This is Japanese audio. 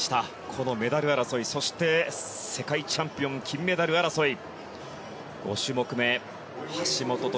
このメダル争いそして、世界チャンピオン金メダル争い。